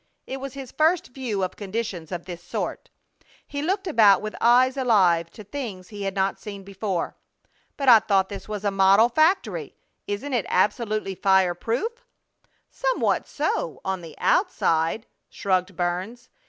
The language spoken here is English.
It was his first view of conditions of this sort. He looked about with eyes alive to things he had not seen before. "But I thought this was a model factory! Isn't it absolutely fire proof?" "Somewhat so, on the _out_side!" shrugged Burns.